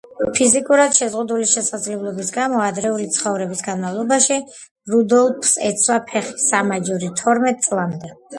ფიზიკურად შეზღუდული შესაძლებლობების გამო ადრეული ცხოვრების განმავლობაში, რუდოლფს ეცვა ფეხის სამაჯური, თორმეტ წლამდე.